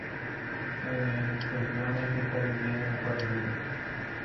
Estructuralmente está dividida en cuatro libros.